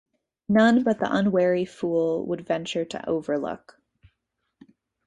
None but the unwary fool would venture to Overlook.